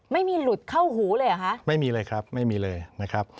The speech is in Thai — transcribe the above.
ไม่มีหลุดเข้าหูเลยเหรอคะไม่มีเลยครับไม่มีเลยนะครับ